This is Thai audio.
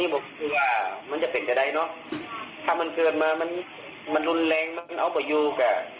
บอกว่ามันจะเป็นแบบใดเนอะถ้ามันเกิดมามันมันรุนแรงมันเอาบ่อยูกอ่ะ